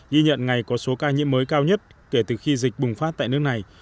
ghi nhận ngày có số ca nhiễm mới cao nhất kể từ khi dịch bùng phát tại nước này